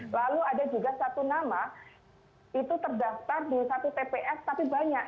lalu ada juga satu nama itu terdaftar di satu tps tapi banyak